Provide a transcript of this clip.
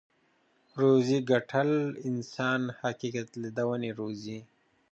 روزي ګټل انسان حقيقت ليدونی روزي.